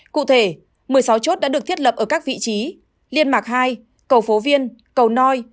cụ thể một mươi sáu chốt đã được thiết lập ở các vị trí liên mạc hai cầu phố viên cầu noi